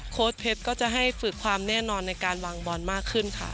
เพชรก็จะให้ฝึกความแน่นอนในการวางบอลมากขึ้นค่ะ